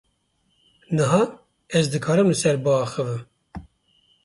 Niha, ez dikarim li ser biaxivim.